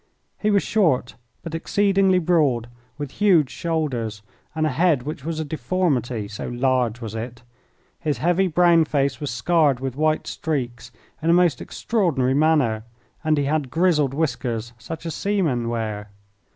He was short but exceedingly broad, with huge shoulders, and a head which was a deformity, so large was it. His heavy brown face was scarred with white streaks in a most extraordinary manner, and he had grizzled whiskers such as seamen wear.